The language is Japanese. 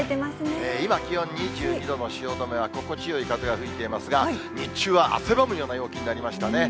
今、気温２２度の汐留は心地よい風が吹いていますが、日中は汗ばむような陽気になりましたね。